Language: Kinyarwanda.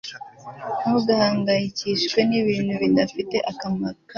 Ntugahangayikishwe nibintu bidafite akamaro